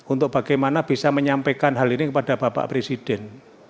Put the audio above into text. untuk bagaimana bisa menyampaikan hal ini kepada bapak presiden